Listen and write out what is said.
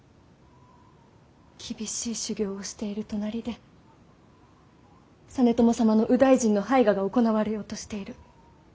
厳しい修行をしている隣で実朝様の右大臣の拝賀が行われようとしている。